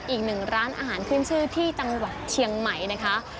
อีกหนึ่งร้านอาหารขึ้นชื่อที่จังหวัดเชียงใหม่นะคะ